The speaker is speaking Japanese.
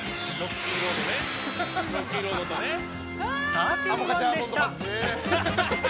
サーティワンでした。